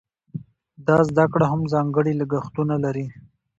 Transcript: دا زده کړه هم ځانګړي لګښتونه لري.